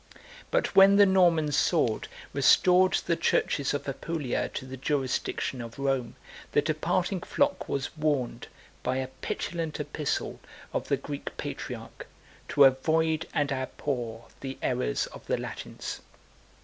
But when the Norman sword restored the churches of Apulia to the jurisdiction of Rome, the departing flock was warned, by a petulant epistle of the Greek patriarch, to avoid and abhor the errors of the Latins.